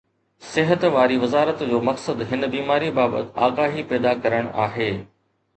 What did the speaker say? صحت واري وزارت جو مقصد هن بيماري بابت آگاهي پيدا ڪرڻ آهي